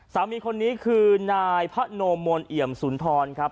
สามีคนนี้คือนายพะโนมนเอี่ยมสุนทรครับ